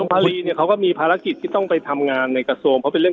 ภารีเนี่ยเขาก็มีภารกิจที่ต้องไปทำงานในกระทรวงเพราะเป็นเรื่อง